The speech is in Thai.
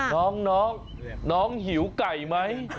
น้องน้องหิวไก่ไหม